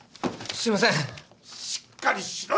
すいません。